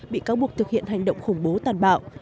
bị cáo buộc thực hiện hành động khủng bố tàn bạo